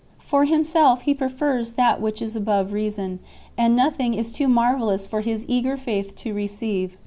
For himself, he prefers that which is above reason, and nothing is too marvellous for his eager faith to receive 4